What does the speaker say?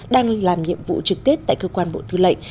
đang làm nhiệm vụ trực tết tại cơ quan bộ tư lệnh